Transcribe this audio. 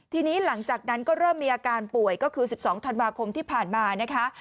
ทีนี้หลังจากนั้นก็เริ่มมีอาการป่วยก็คือ๑๒ธันวาคมที่ผ่านมานะคะ